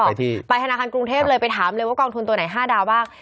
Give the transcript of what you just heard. ไปที่ไปธนาคารกรุงเทพเลยไปถามเลยว่ากองทุนตัวไหนห้าดาวบ้าง